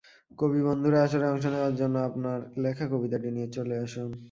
কবি বন্ধুরা, আসরে অংশ নেওয়ার জন্য আপনার লেখা কবিতাটি নিয়ে চলে আসুন।